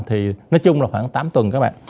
thì nói chung là khoảng tám tuần các bạn